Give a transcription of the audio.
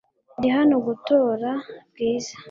Ndi hano gutora Bwiza .